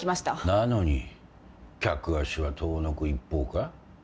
なのに客足は遠のく一方か？